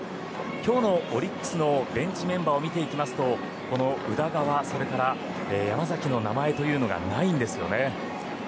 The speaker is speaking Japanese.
今日のオリックスのベンチメンバーを見ていきますとその宇田川、山崎の名前がないんですよね。